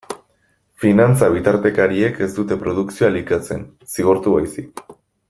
Finantza-bitartekariek ez dute produkzioa elikatzen, zigortu baizik.